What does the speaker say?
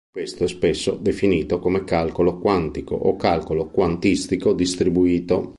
Questo è spesso definito come calcolo quantico, o calcolo quantistico distribuito.